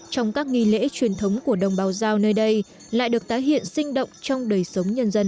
trong các nghi lễ truyền thống của đồng bào giao nơi đây lại được tái hiện sinh động trong đời sống nhân dân